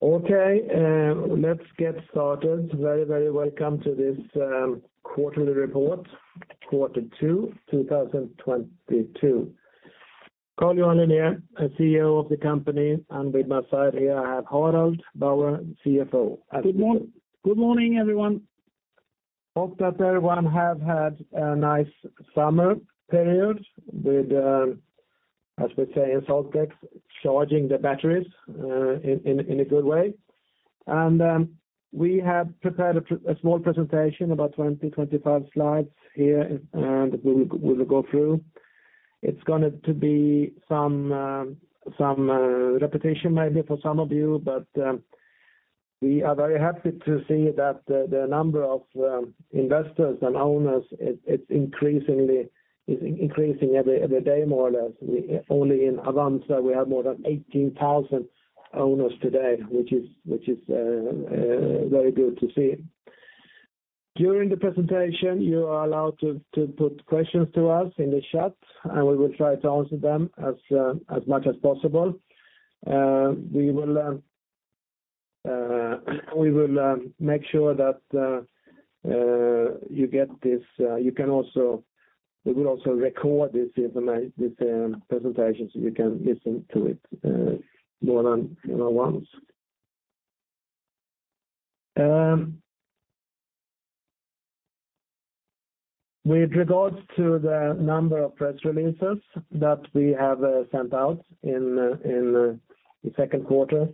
Okay, let's get started. Very welcome to this quarterly report, quarter two, 2022. Carl-Johan Linér, CEO of the company, and by my side here, I have Harald Bauer, CFO. Good morning, everyone. Hope that everyone have had a nice summer period with, as we say in SaltX, charging the batteries in a good way. We have prepared a small presentation, about 20-25 slides here and we'll go through. It's going to be some repetition maybe for some of you, but we are very happy to see that the number of investors and owners is increasing every day more or less. Only in Avanza, we have more than 18,000 owners today, which is very good to see. During the presentation, you are allowed to put questions to us in the chat, and we will try to answer them as much as possible. We will make sure that you get this. You can also. We will also record this presentation, so you can listen to it more than, you know, once. With regards to the number of press releases that we have sent out in the second quarter,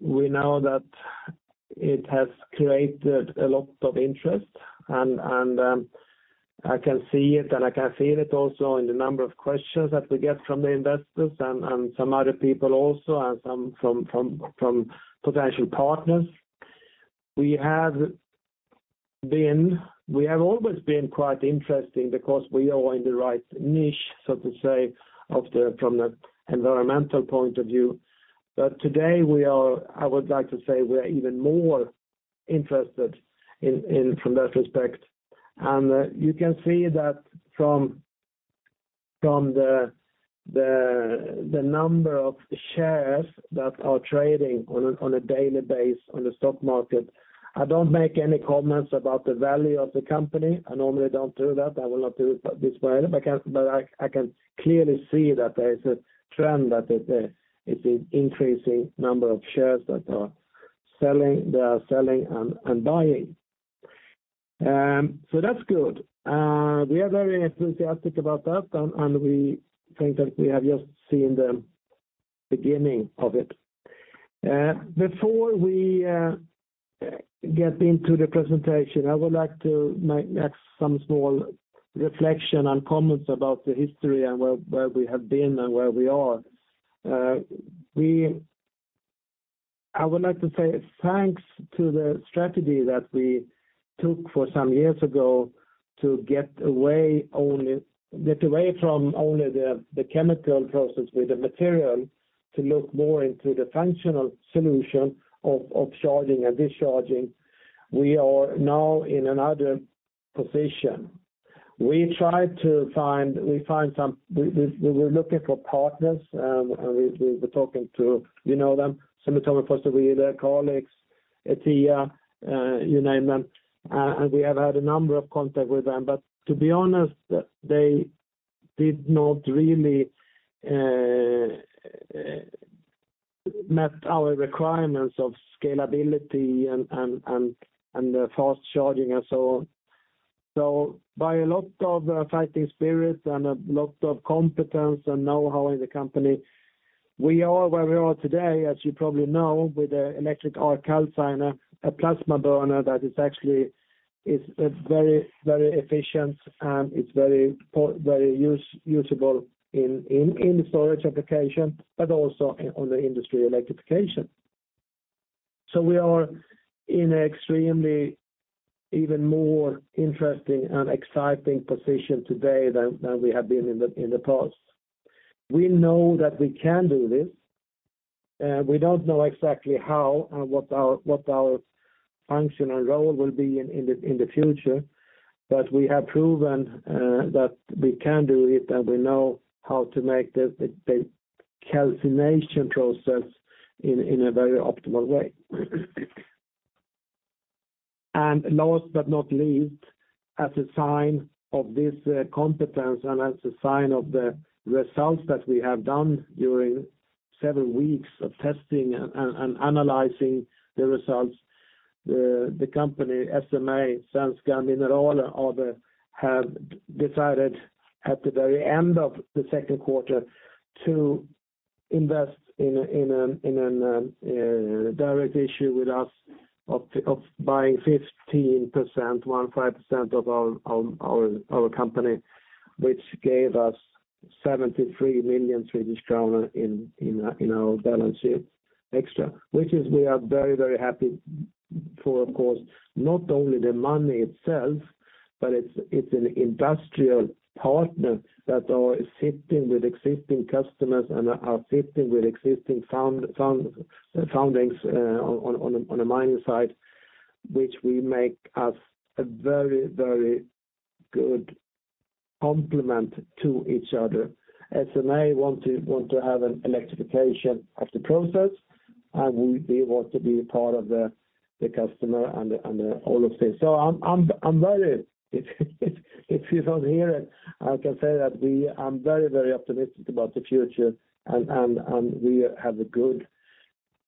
we know that it has created a lot of interest and I can see it and I can feel it also in the number of questions that we get from the investors and some other people also, and some from potential partners. We have always been quite interesting because we are in the right niche, so to say, from the environmental point of view. But today we are, I would like to say, we are even more interested from that respect. You can see that from the number of shares that are trading on a daily basis on the stock market. I don't make any comments about the value of the company. I normally don't do that. I will not do it this way either, but I can clearly see that there is a trend that it's an increasing number of shares that are selling, they are selling and buying. So that's good. We are very enthusiastic about that and we think that we have just seen the beginning of it. Before we get into the presentation, I would like to make some small reflection and comments about the history and where we have been and where we are. I would like to say thanks to the strategy that we took some years ago to get away from only the chemical process with the material to look more into the functional solution of charging and discharging. We are now in another position. We're looking for partners, and we've been talking to, you know them, Sumitomo SHI FW, Calix, Actia, you name them. We have had a number of contacts with them, but to be honest, they did not really met our requirements of scalability and fast charging and so on. So by a lot of fighting spirit and a lot of competence and know-how in the company, we are where we are today, as you probably know, with the Electric Arc Calciner, a plasma burner that is actually a very, very efficient and it's very usable in storage application, but also in on the industry electrification. We are in extremely even more interesting and exciting position today than we have been in the past. We know that we can do this. We don't know exactly how and what our functional role will be in the future, but we have proven that we can do it and we know how to make the calcination process in a very optimal way. And last but not least, as a sign of this competence and as a sign of the results that we have done during several weeks of testing and analyzing the results, the company SMA Mineral has decided at the very end of the second quarter to invest in a direct issue with us of buying 15% of our company, which gave us 73 million Swedish kronor in our balance sheet extra. We are very, very happy for, of course, not only the money itself, but it's an industrial partner that are sitting with existing customers and are sitting with existing fundings on a mining site, which will make us a very, very good complement to each other. SMA Mineral wants to have an electrification of the process, and we want to be part of the customer and all of this. [Audio inaudible] I'm very optimistic about the future, and we have a good.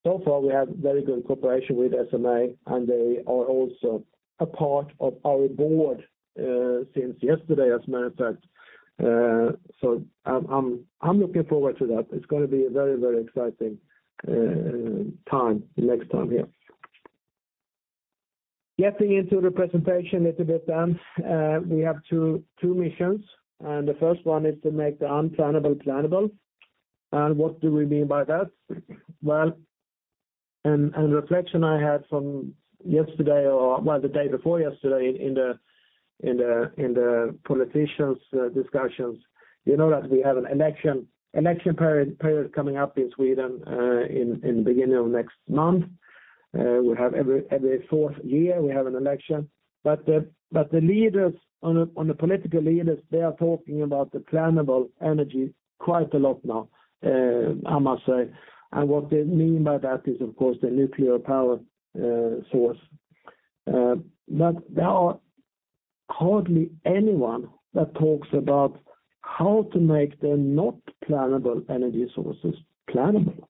So far, we have very good cooperation with SMA, and they are also a part of our board since yesterday, as a matter of fact. So I'm looking forward to that. It's gonna be a very exciting time, next time here. Getting into the presentation a little bit then, we have two missions, and the first one is to make the unplannable plannable. What do we mean by that? Well, reflection I had from yesterday or the day before yesterday in the politicians' discussions. You know that we have an election period coming up in Sweden in the beginning of next month. We have every fourth year we have an election. The political leaders are talking about the plannable energy quite a lot now, I must say. What they mean by that is, of course, the nuclear power source. There are hardly anyone that talks about how to make the not plannable energy sources plannable.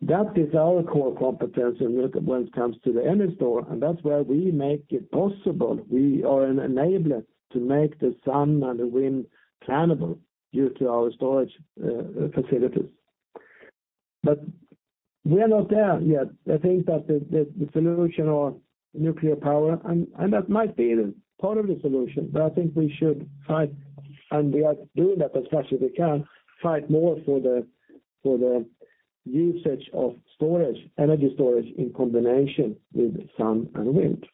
That is our core competence when it comes to the EnerStore, and that's where we make it possible. We are an enabler to make the sun and the wind plannable due to our storage facilities. We are not there yet. I think that the solution or nuclear power and that might be part of the solution, but I think we should fight, and we are doing that as much as we can, fight more for the usage of storage, energy storage in combination with sun and wind.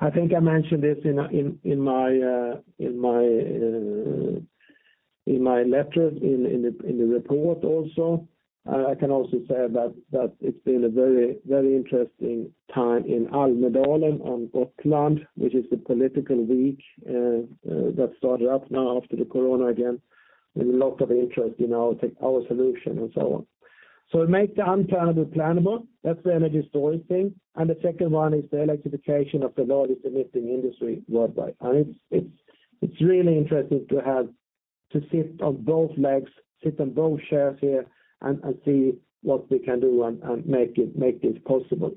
I think I mentioned this in my letter in the report also. I can also say that it's been a very interesting time in Almedalen on Gotland, which is the political week that started up now after the corona again, with a lot of interest in our solution and so on. So make the unplannable plannable, that's the energy storage thing. The second one is the electrification of the largest emitting industry worldwide. It's really interesting to sit on both legs, sit on both chairs here and see what we can do and make it, make this possible.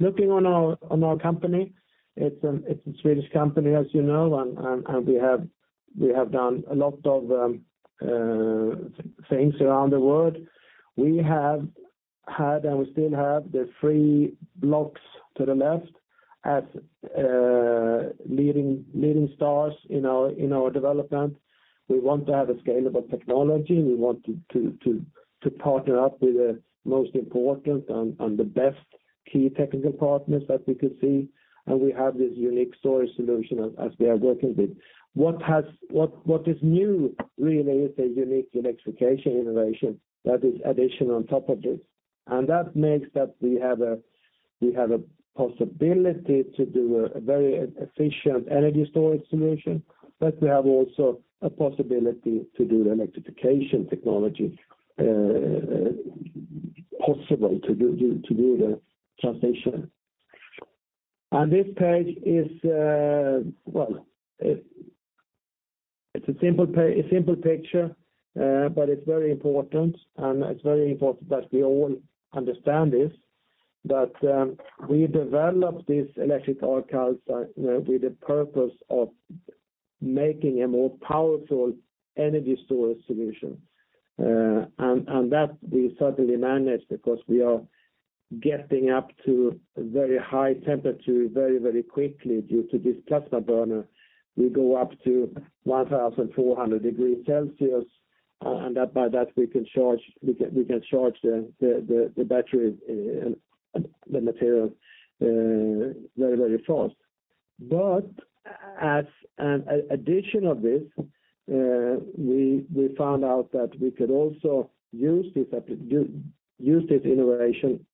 Looking on our company, it's a Swedish company, as you know, and we have done a lot of things around the world. We have had, and we still have the three blocks to the left as leading stars in our development. We want to have a scalable technology. We want to partner up with the most important and the best key technical partners that we could see. We have this unique storage solution we are working with. What is new really is a unique electrification innovation that is addition on top of this. That makes we have a possibility to do a very efficient energy storage solution, but we have also a possibility to do the electrification technology possible to do the transition. This page is it's a simple picture, but it's very important that we all understand this, that we developed this Electric Arc Calciner with the purpose of making a more powerful energy storage solution. That we certainly managed because we are getting up to very high temperature very quickly due to this plasma burner. We go up to 1,400 degrees Celsius, and that by that we can charge the battery and the material very fast. As an addition of this, we found out that we could also use this innovation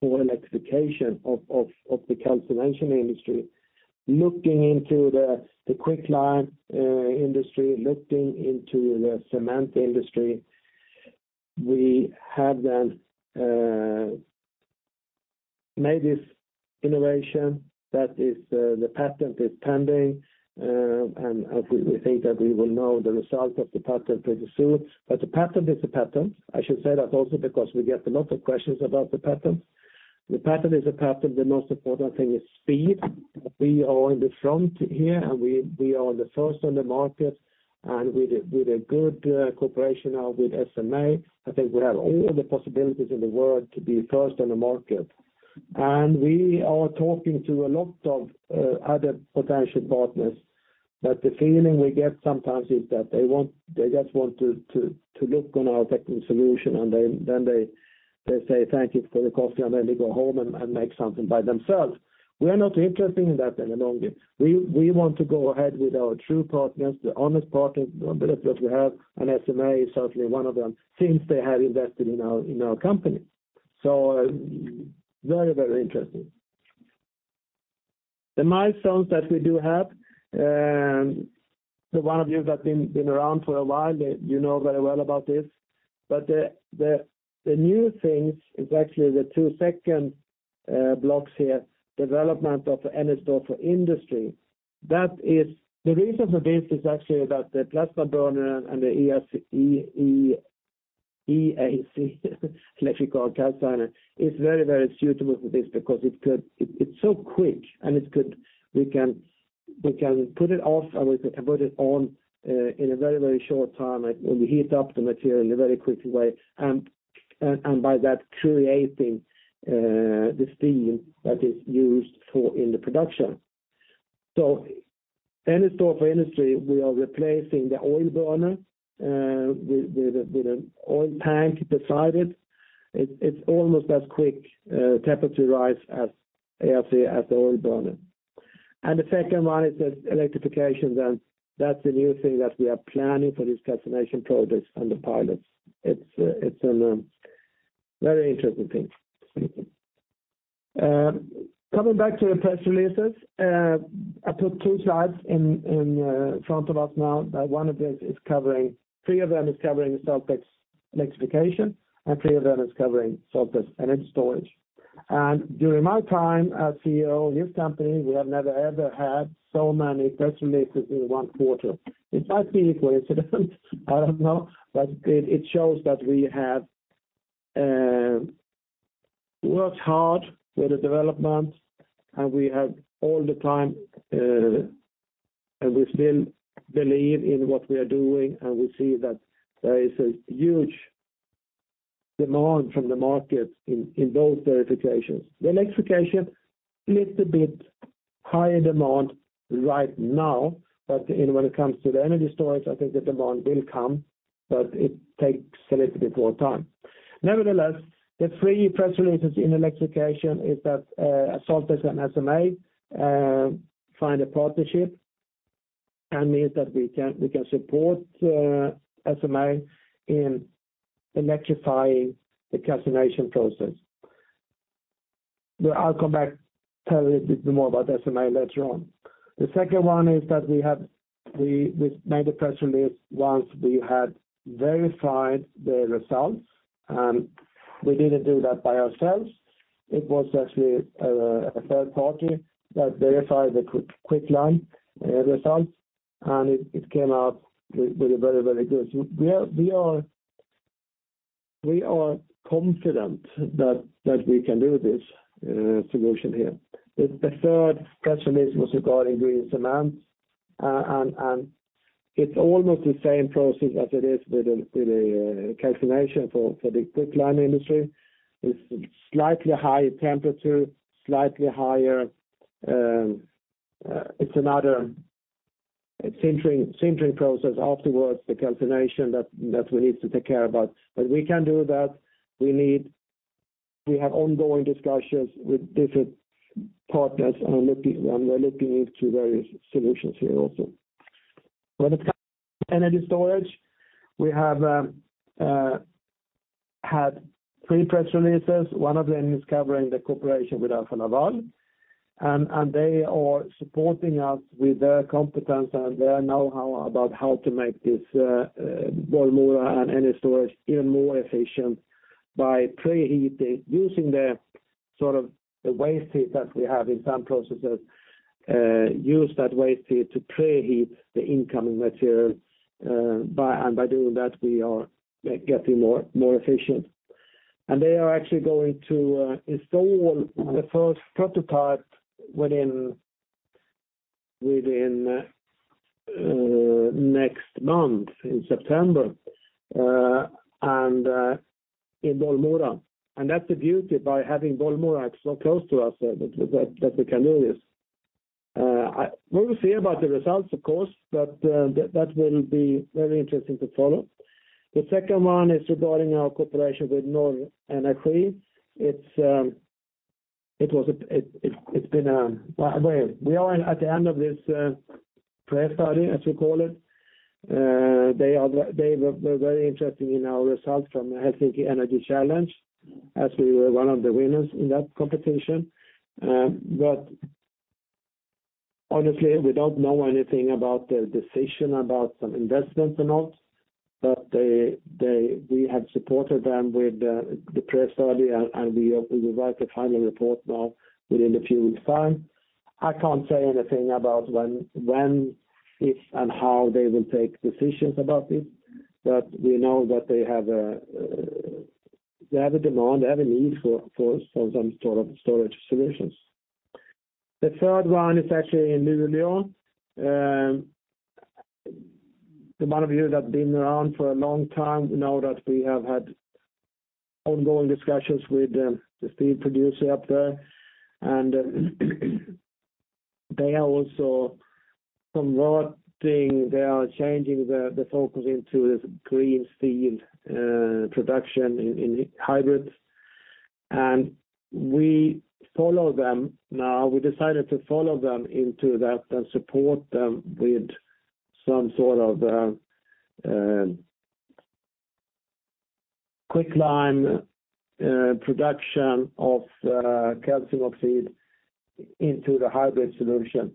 for electrification of the calcination industry. Looking into the quicklime industry, looking into the cement industry, we have then made this innovation that is the patent is pending, and we think that we will know the result of the patent pretty soon. The patent is a patent. I should say that also because we get a lot of questions about the patent. The patent is a patent. The most important thing is speed. We are in the front here, and we are the first on the market, and with a good cooperation with SMA, I think we have all the possibilities in the world to be first on the market. We are talking to a lot of other potential partners, but the feeling we get sometimes is that they just want to look on our technical solution, and then they say thank you for the coffee, and then they go home and make something by themselves. We are not interested in that in the long game. We want to go ahead with our true partners, the honest partners that we have, and SMA is certainly one of them since they have invested in our company. Very interesting. The milestones that we do have, the one of you that been around for a while, you know very well about this. The new things is actually the two second blocks here, development of EnerStore for industry. That is, the reason for this is actually that the plasma burner and the EAC Electric Arc Calciner is very suitable for this because it's so quick, and we can put it off and we can put it on in a very short time, and when we heat up the material in a very quick way and by that creating the steam that is used for in the production. So EnerStore for industry, we are replacing the oil burner with an oil tank beside it. It's almost as quick temperature rise as EAC as the oil burner. The second one is the electrification, and that's the new thing that we are planning for these calcination projects and the pilots. It's a very interesting thing. Coming back to the press releases, I put two slides in front of us now, three of them covering SaltX's electrification, and three of them covering SaltX's energy storage. During my time as CEO of this company, we have never, ever had so many press releases in one quarter. It might be a coincidence, I don't know, but it shows that we have worked hard for the development, and we have all the time, and we still believe in what we are doing, and we see that there is a huge demand from the market in those verifications. The electrification, little bit higher demand right now, but when it comes to the energy storage, I think the demand will come, but it takes a little bit more time. Nevertheless, the three press releases in electrification is that, SaltX and SMA find a partnership and means that we can support SMA in electrifying the Calcination Process. Well, I'll come back, tell you a bit more about SMA later on. The second one is that we made a press release once we had verified the results, and we didn't do that by ourselves. It was actually a third party that verified the quicklime results, and it came out with a very good. We are confident that we can do this solution here. The third press release was regarding green cement, and it's almost the same process as it is with a calcination for the quicklime industry. It's slightly higher temperature, slightly higher, it's another sintering process afterwards, the calcination that we need to take care about. But we can do that. We have ongoing discussions with different partners, and we're looking into various solutions here also. When it comes to energy storage, we have had three press releases. One of them is covering the cooperation with Alfa Laval. They are supporting us with their competence and their know-how about how to make this Bollmora and energy storage even more efficient by preheating, using the sort of the waste heat that we have in some processes, use that waste heat to preheat the incoming material, by doing that, we are getting more efficient. They are actually going to install the first prototype within next month in September, and in Bollmora. That's the beauty by having Bollmora so close to us that we can do this. We will see about the results, of course, but that will be very interesting to follow. The second one is regarding our cooperation with Nord Energi. It's been well, we are at the end of this prep study, as we call it. They were very interested in our results from Helsinki Energy Challenge, as we were one of the winners in that competition. Honestly, we don't know anything about their decision about some investments or not. We have supported them with the prep study and we will write a final report now within a few weeks' time. I can't say anything about when, if and how they will take decisions about this. We know that they have a demand, they have a need for some sort of storage solutions. The third one is actually in Ludvika. The amount of you that been around for a long time know that we have had ongoing discussions with the steel producer up there. They are also converting. They are changing the focus into this green steel production in HYBRIT. We follow them now. We decided to follow them into that and support them with some sort of quicklime production of Calcium Oxide into the HYBRIT solution.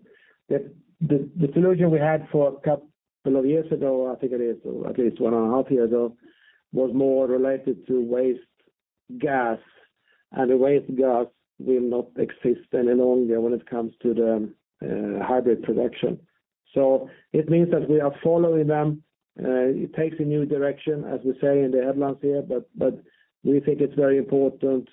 The solution we had for a couple of years ago, I think it is at least 1.5 years ago, was more related to waste gas, and the waste gas will not exist any longer when it comes to the HYBRIT production. So it means that we are following them. It takes a new direction, as we say in the headlines here, but we think it's very important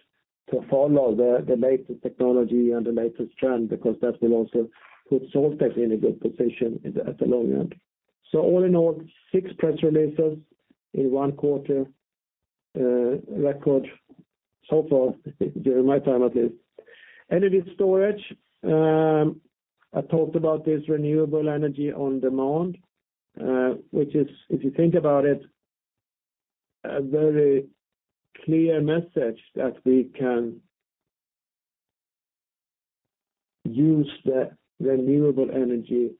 to follow the latest technology and the latest trend, because that will also put SaltX in a good position in the long run. All in all, six press releases in one quarter, record so far during my time at least. Energy storage, I talked about this renewable energy on demand, which is if you think about it, a very clear message that we can use the renewable energy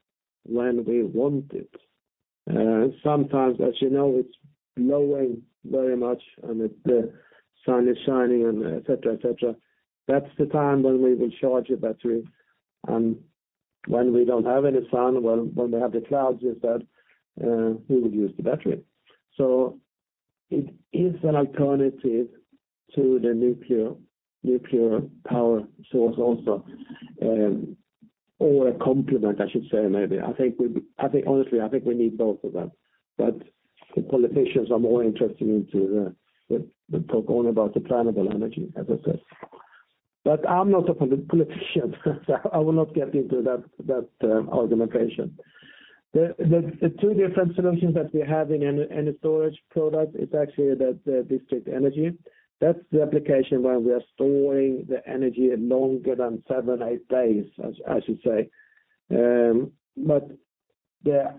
when we want it. Sometimes as you know, it's blowing very much and the sun is shining, and et cetera, et cetera. That's the time when we will charge a battery and when we don't have any sun, when we have the clouds instead, we will use the battery. So it is an alternative to the nuclear power source also, or a complement, I should say maybe. I think honestly we need both of them. The politicians are more interested in the renewable energy. They talk only about the renewable energy, as I said. I'm not a politician, so I will not get into that argumentation. The two different solutions that we have in our energy storage product is actually that the district energy, that's the application where we are storing the energy longer than seven, eight days, as I should say. The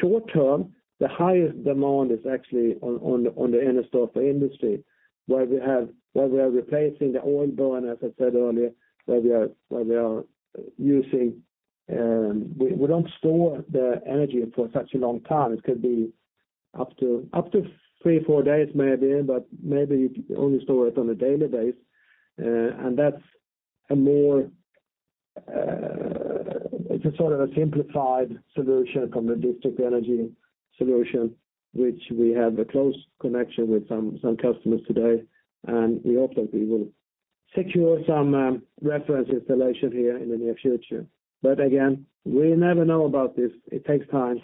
short-term, the highest demand is actually on the energy storage for industry, where we are replacing the oil burner, as I said earlier, where we are using. We don't store the energy for such a long time. It could be up to 3-4 days maybe, but maybe you could only store it on a daily basis. That's a sort of simplified solution from the district energy solution, which we have a close connection with some customers today, and we hope that we will secure some reference installation here in the near future. Again, we never know about this. It takes time.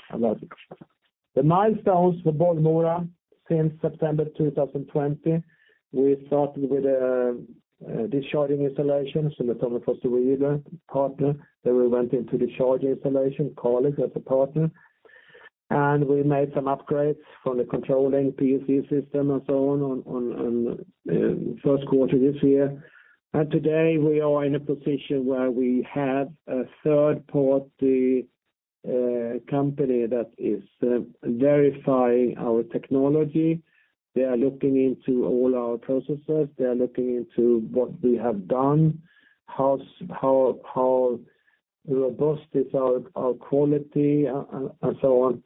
The milestones for Bollmora since September 2020, we started with discharging installation, so that one was the uncertain partner. We went into discharge installation, uncertain as a partner, and we made some upgrades from the controlling PLC system and so on, first quarter this year. Today we are in a position where we have a third-party company that is verifying our technology. They are looking into all our processes. They are looking into what we have done, how robust is our quality, and so on.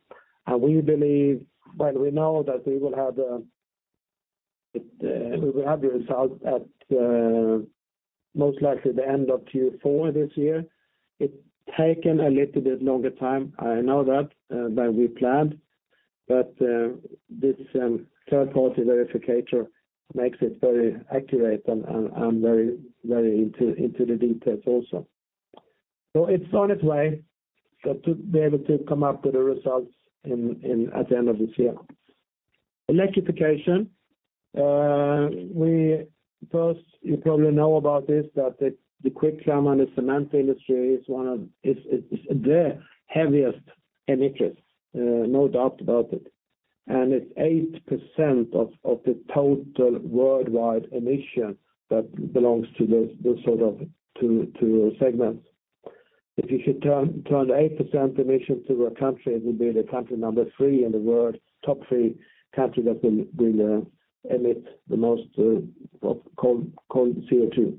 We believe. Well, we know that we will have the result at most likely the end of Q4 this year. It's taken a little bit longer time, I know that, than we planned. This third-party verifier makes it very accurate and very into the details also. It's on its way to be able to come up with the results at the end of this year. Electrification. We first, you probably know about this, that the quicklime and the cement industry is one of the heaviest emitters, no doubt about it. It's 8% of the total worldwide emission that belongs to this sort of two segments. If you should turn the 8% emission to a country, it would be the country number three in the world, top three country that will emit the most of global CO2.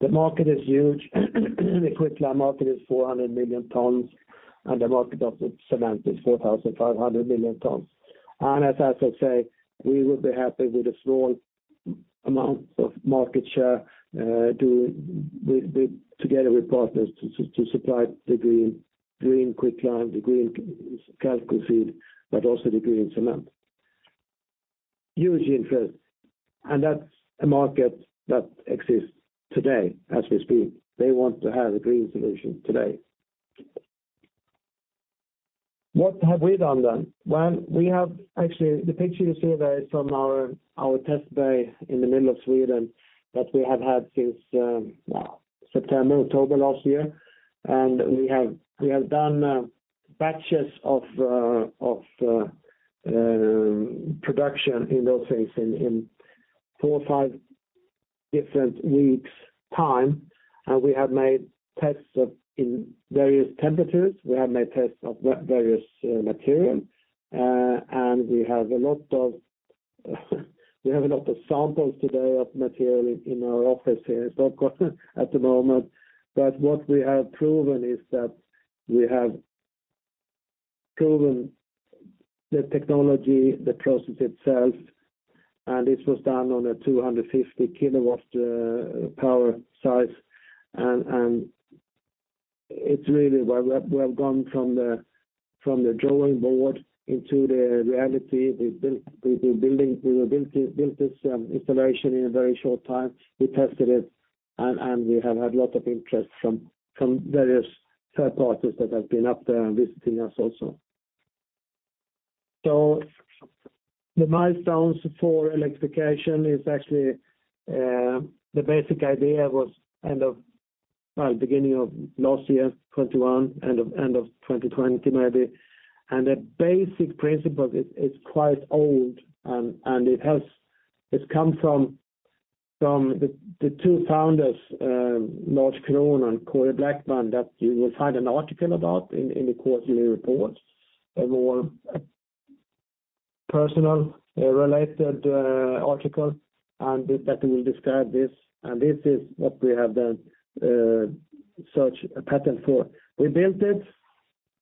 The market is huge. The quicklime market is 400 million tons, and the market of the cement is 4,500 million tons. As I said, we will be happy with a small amount of market share, with, together with partners to supply the green quicklime, the green calcium feed, but also the green cement. Huge interest, that's a market that exists today as we speak. They want to have a green solution today. What have we done then? Actually the picture you see there is from our test bay in the middle of Sweden that we have had since September, October last year. We have done batches of production in those things in four or five different weeks' time. We have made tests in various temperatures. We have made tests of various material, and we have a lot of samples today of material in our office here, so of course, at the moment, but what we have proven is that we have proven the technology, the process itself, and this was done on a 250 kW power size. And it's really where we have gone from the drawing board into the reality. We built this installation in a very short time. We tested it, and we have had lots of interest from various third parties that have been up there and visiting us also. The milestones for electrification is actually the basic idea was end of beginning of last year, 2021, end of 2020 maybe. The basic principle is quite old, and it has—it's come from the two founders, Göran Bolin and Corey Blackman, that you will find an article about in the quarterly report, a more personal related article, and that will describe this. This is what we have done search a patent for. We built it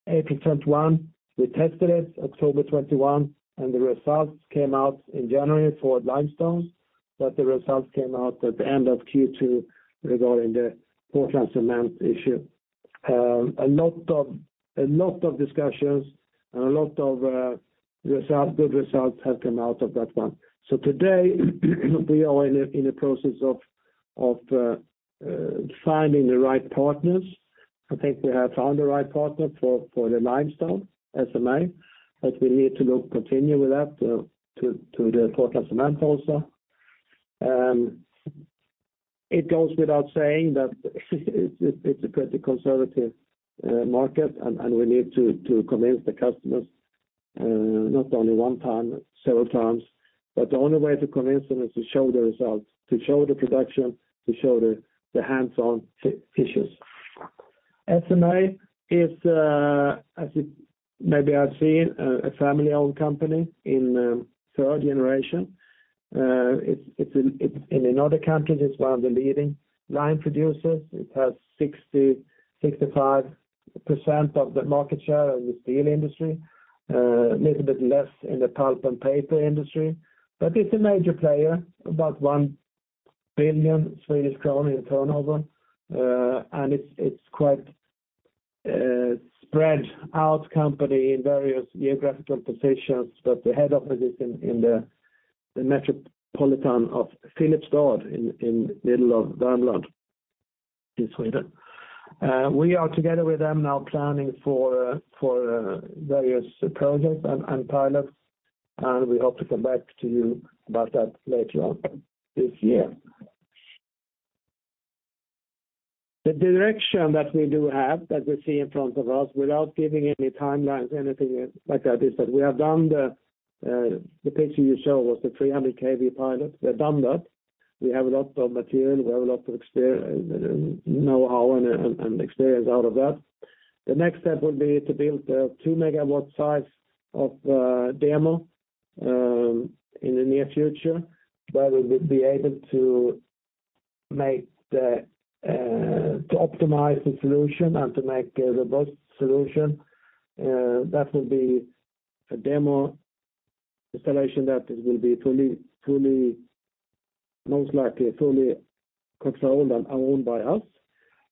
April 2021, we tested it October 2021, and the results came out in January for limestone, but the results came out at the end of Q2 regarding the Portland cement issue. A lot of discussions and a lot of results, good results have come out of that one. So today, we are in a process of finding the right partners. I think we have found the right partner for the limestone, SMA, but we need to continue with that to the Portland cement also. It goes without saying that it's a pretty conservative market, and we need to convince the customers not only one time, several times, but the only way to convince them is to show the results, to show the production, to show the hands-on features. SMA is, as it maybe I've seen, a family-owned company in third generation. It's in another country, it's one of the leading lime producers. It has 65% of the market share in the steel industry, a little bit less in the pulp and paper industry. It's a major player, about 1 billion Swedish crown in turnover, and it's quite a spread out company in various geographical positions. The head office is in the municipality of Filipstad in the middle of Värmland in Sweden. We are together with them now planning for various projects and pilots, and we hope to come back to you about that later on this year. The direction that we do have, that we see in front of us without giving any timelines, anything like that, is that we have done the picture you show was the 300 kV pilot. We have done that. We have a lot of material, we have a lot of know-how and experience out of that. The next step will be to build a 2 MW size of demo in the near future, where we will be able to optimize the solution and to make a robust solution that will be a demo installation that will be fully, most likely, fully controlled and owned by us.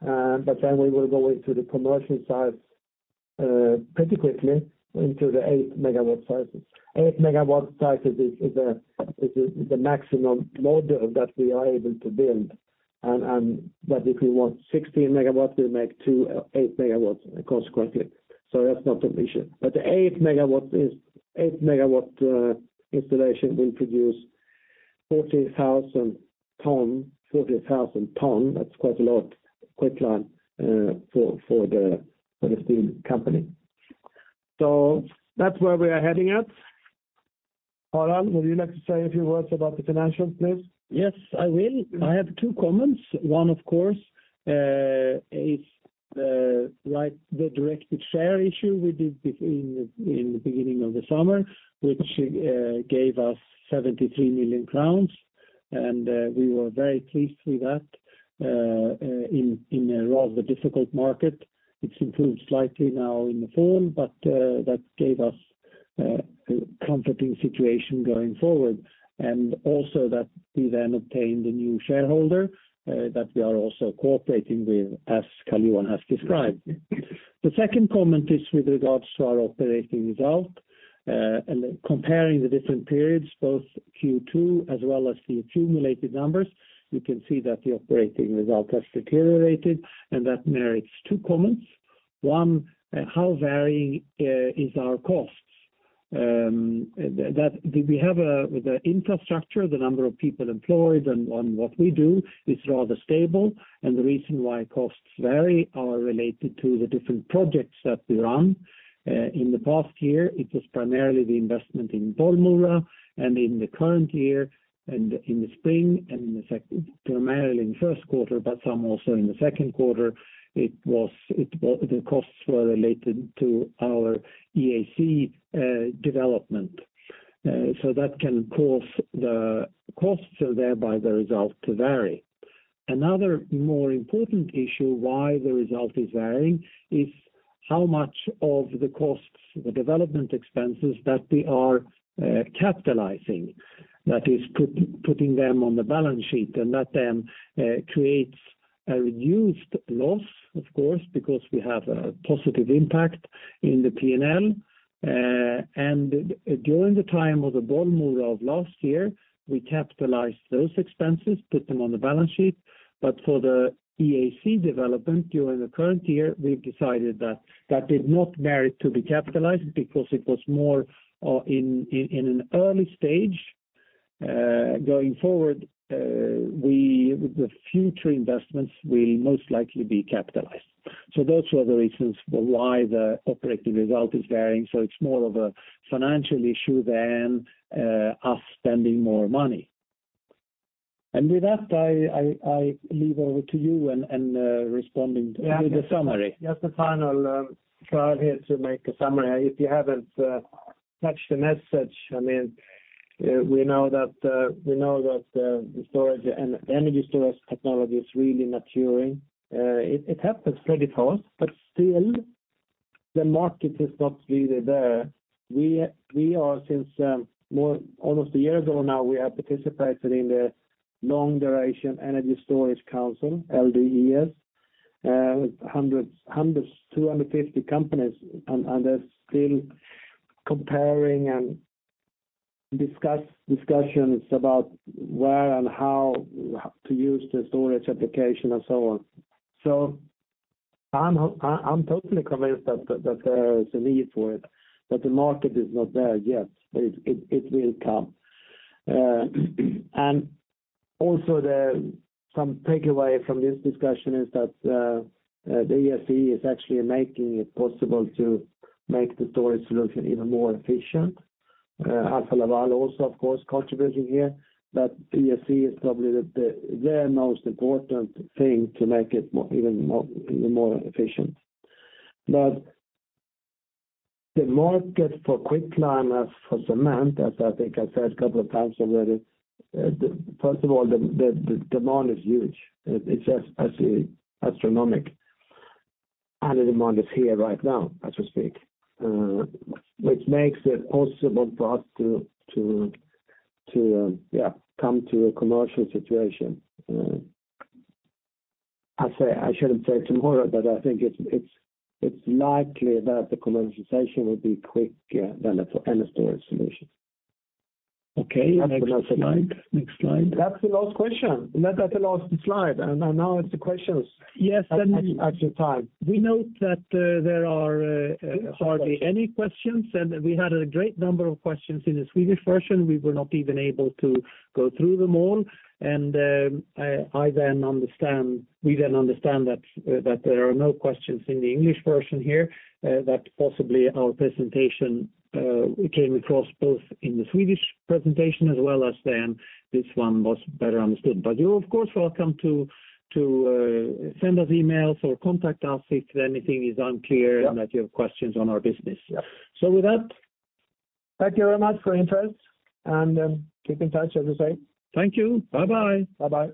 We will go into the commercial size pretty quickly into the 8 MW sizes. 8 MW size is the maximum load that we are able to build. If we want 16 MW, we make two 8 MWs consequently. That's not an issue. The 8 MW installation will produce 40,000 tons. That's quite a lot for the steel company. That's where we are heading at. Harald, would you like to say a few words about the financials, please? Yes, I will. I have two comments. One, of course, is like the directed share issue we did in the beginning of the summer, which gave us 73 million crowns, and we were very pleased with that in a rather difficult market. It's improved slightly now in the fall, but that gave us a comforting situation going forward. We then obtained a new shareholder that we are also cooperating with, as Carl-Johan has described. The second comment is with regards to our operating result and comparing the different periods, both Q2 as well as the accumulated numbers, you can see that the operating result has deteriorated, and that merits two comments. One, how varying is our costs? That we have with the infrastructure, the number of people employed on what we do is rather stable, and the reason why costs vary are related to the different projects that we run. In the past year, it was primarily the investment in Bollmora, and in the current year, in the spring, primarily in the first quarter, but some also in the second quarter, the costs were related to our EAC development. So that can cause the costs and thereby the result to vary. Another more important issue why the result is varying is how much of the costs, the development expenses that we are capitalizing, that is putting them on the balance sheet and let them create a reduced loss, of course, because we have a positive impact in the P&L. During the time of the Bollmora of last year, we capitalized those expenses, put them on the balance sheet. For the EAC development during the current year, we've decided that did not merit to be capitalized because it was more in an early stage. Going forward, the future investments will most likely be capitalized. Those were the reasons for why the operating result is varying. It's more of a financial issue than us spending more money. With that, I hand over to you and responding with the summary. Just a final try here to make a summary. If you haven't touched the message, I mean, we know that the storage and energy storage technology is really maturing. It happens pretty fast, but still the market is not really there. We are since more almost a year ago now, we have participated in the Long Duration Energy Storage Council, LDES, with hundreds, 250 companies, and they're still comparing and discussions about where and how to use the storage application and so on. I'm totally convinced that there is a need for it, but the market is not there yet. But it will come. Some takeaway from this discussion is that the EAC is actually making it possible to make the storage solution even more efficient. Alfa Laval also of course contributing here, but EAC is probably the most important thing to make it even more efficient. The market for quicklime, as for cement, as I think I said a couple of times already, first of all, the demand is huge. It's as astronomical, and the demand is here right now, so to speak, which makes it possible for us to come to a commercial situation. I say I shouldn't say tomorrow, but I think it's likely that the commercialization will be quicker than any storage solution. Okay, next slide. Next slide. That's the last question. That's the last slide. Now it's the questions. Yes. At your time. We note that there are hardly any questions, and we had a great number of questions in the Swedish version. We were not even able to go through them all. We then understand that there are no questions in the English version here, that possibly our presentation came across both in the Swedish presentation as well as then this one was better understood. You of course welcome to send us emails or contact us if anything is unclear. Yeah. That you have questions on our business. Yeah. With that. Thank you very much for interest and keep in touch as we say. Thank you. Bye bye. Bye bye.